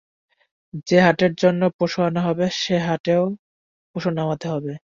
যে হাটের জন্য পশু আনা হবে, সে হাটেই পশু নামাতে হবে।